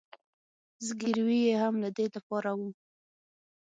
زګیروي یې هم د دې له پاره و.